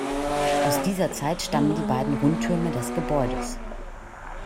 Aus dieser Zeit stammen die beiden Rundtürme des Gebäudes.